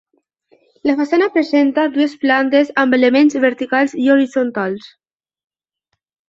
La façana presenta dues plantes amb elements verticals i horitzontals.